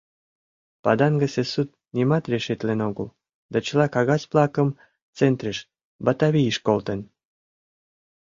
Падангысе суд нимат решитлен огыл да чыла кагаз-влакым центрыш, Батавийыш, колтен.